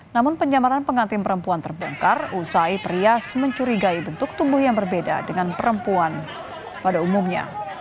namun penyamaran pengantin perempuan terbongkar usai perias mencurigai bentuk tumbuh yang berbeda dengan perempuan pada umumnya